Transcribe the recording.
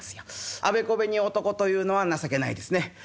あべこべに男というのは情けないですね。